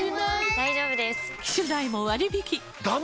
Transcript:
大丈夫です！